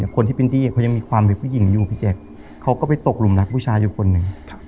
คนที่เป็นที่เขายังมีความเป็นผู้หญิงอยู่พี่แจ๊คเขาก็ไปตกหลุมรักผู้ชายอยู่คนหนึ่ง